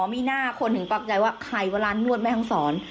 อ๋อมีหน้าคนถึงปรักใจว่าใครว่าร้านนวดแม่งสอน